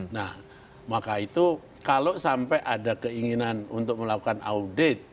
nah maka itu kalau sampai ada keinginan untuk melakukan audit